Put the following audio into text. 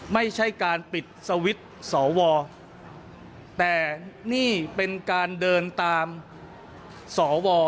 ไม่ใช่การปิดสวิตช์สอวอแต่นี่เป็นการเดินตามสว